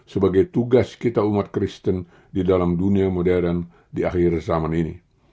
sebagai tugas kita umat kristen di dalam dunia modern di akhir zaman ini